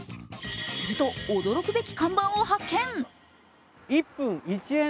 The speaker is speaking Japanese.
すると驚くべき看板を発見。